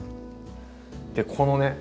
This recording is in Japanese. でこのね